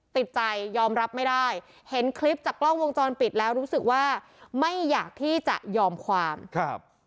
ติดใจยอมรับไม่ได้เห็นคลิปจากกล้องวงจรปิดแล้วรู้สึกว่าไม่อยากที่จะยอมความครับ